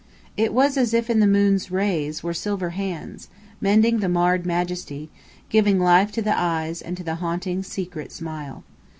It was as if in the moon's rays were silver hands, mending the marred majesty, giving life to the eyes and to the haunting, secret smile.